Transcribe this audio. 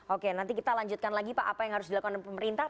oke nanti kita lanjutkan lagi pak apa yang harus dilakukan pemerintah